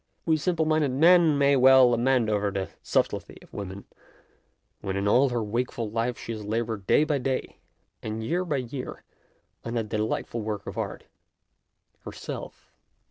We simple minded men may well lament over the sub tlety of woman, when in all her wakeful life she has laboured day by day and year by year on that delightful work of art, her self.